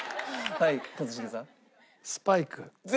はい一茂さん。